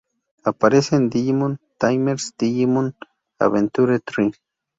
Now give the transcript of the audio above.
Aparece en Digimon Tamers, Digimon Adventure tri.